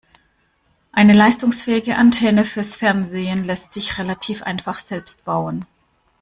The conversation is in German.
Eine leistungsfähige Antenne fürs Fernsehen lässt sich relativ einfach selbst bauen.